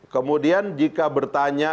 kemudian jika bertanya